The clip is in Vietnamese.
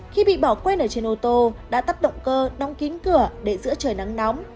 khi bị bỏ quên ở trên ô tô đã tắt động cơ đóng kín cửa để giữa trời nắng nóng